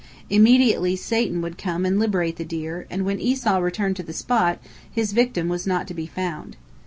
Immediately Satan would come and liberate the deer, and when Esau returned to the spot, his victim was not to be found.